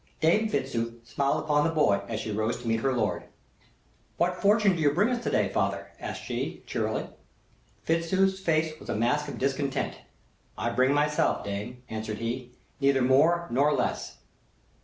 Dame Fitzooth smiled upon the boy as she rose to meet her lord. "What fortune do you bring us to day, father?" asked she, cheerily. Fitzooth's face was a mask of discontent. "I bring myself, dame," answered he, "neither more nor less."